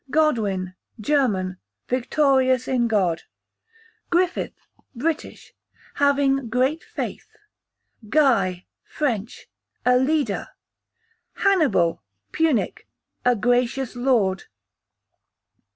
Godwin, German, victorious in God. Griffith, British, having great faith. Guy, French, a leader. Hannibal, Punic, a gracious lord.